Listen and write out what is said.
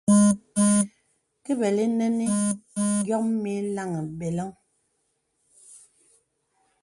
Ke bəlí nənì yǒm mīyï laŋhi beləŋ.